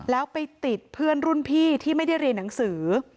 แล้วไปติดเพื่อนรุ่นพี่ที่ไม่ได้เรียนหนังสือ